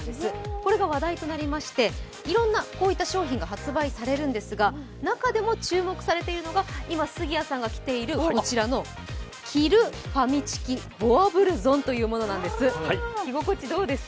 これが話題となりまして、いろいろな商品が発売されるんですが、中でも注目されているのが今杉谷さんが着ている、こちらの着るファミチキボアブルゾンというものだそうです。